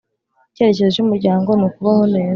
Icyerekezo cy Umuryango ni kubaho neza